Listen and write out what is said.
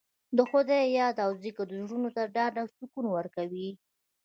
د خدای یاد او ذکر زړونو ته ډاډ او سکون ورکوي.